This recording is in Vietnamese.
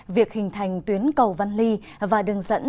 việc hình thành tuyến cầu văn ly và đường dẫn